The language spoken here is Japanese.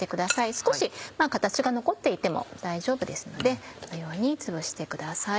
少し形が残っていても大丈夫ですのでこのようにつぶしてください。